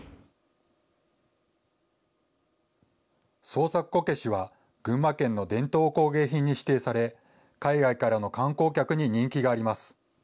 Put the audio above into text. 創作こけしは、群馬県の伝統工芸品に指定され、海外からの観光客に人気があります。